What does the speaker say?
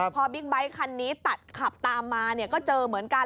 พอบิ๊กไบท์คันนี้ตัดขับตามมาเนี่ยก็เจอเหมือนกัน